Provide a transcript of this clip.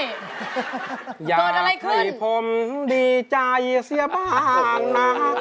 เกิดอะไรขึ้นที่ผมดีใจเสียบ้างนะ